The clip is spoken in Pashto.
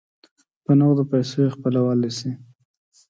په نغدو پیسو یې خپلولای سی.